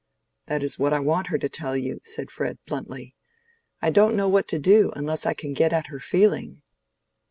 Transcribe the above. "That is what I want her to tell you," said Fred, bluntly. "I don't know what to do, unless I can get at her feeling."